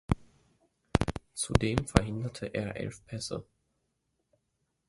Zudem verhinderte er elf Pässe.